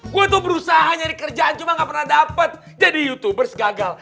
gue tuh berusaha nyari kerjaan cuma gak pernah dapat jadi youtubers gagal